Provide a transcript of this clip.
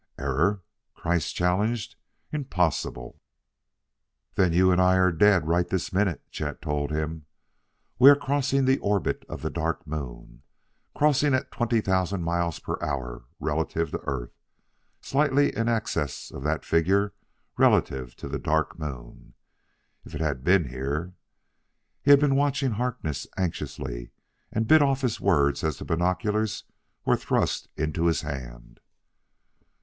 "Error?" Kreiss challenged. "Impossible!" "Then you and I are dead right this minute," Chet told him. "We are crossing the orbit of the Dark Moon crossing at twenty thousand miles per hour relative to Earth, slightly in excess of that figure relative to the Dark Moon. If it had been here !" He had been watching Harkness anxiously; he bit off his words as the binoculars were thrust into his hand.